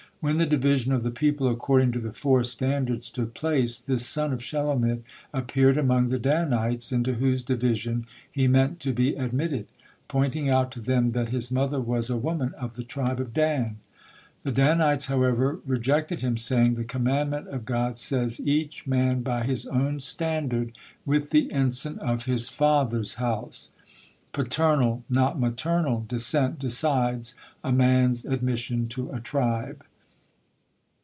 When the division of the people according to the four standard took place, this son of Shelomith appeared among the Danites into whose division he meant to be admitted, pointing out to them that his mother was a woman of the tribe of Dan. The Danites, however, rejected him, saying: "The commandment of God says, 'each man by his own standard, with the ensign of his father's house.' Paternal, not maternal descent decides a man's admission to a tribe."